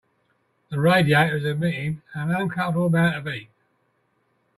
That radiator is emitting an uncomfortable amount of heat.